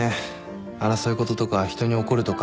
争い事とか人に怒るとか。